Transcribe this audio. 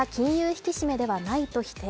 引き締めではないと否定。